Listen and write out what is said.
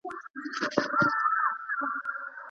ولي محنتي ځوان د هوښیار انسان په پرتله برخلیک بدلوي؟